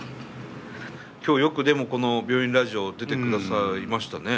今日よくでもこの「病院ラジオ」出てくださいましたね。